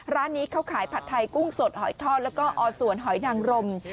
ร้านนี้เขาขายผัดไทยกุ้งสดหอยทอดแล้วก็อสวนหอยนางรม